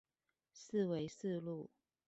四維四路